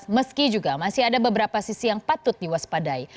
meski juga masih ada beberapa sisi yang patut diwaspadai